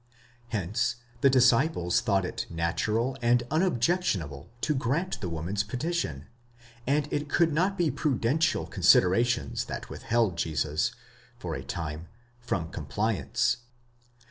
Hence the disciples thought it natural and unobjectionable to grant the woman's petition, and it could not be prudential considerations that withheld Jesus, for a time, from compliance.